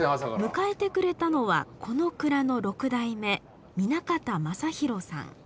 迎えてくれたのはこの蔵の六代目南方雅博さん。